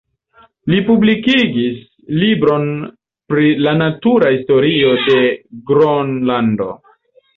Li publikigis libron pri la natura historio de Gronlando.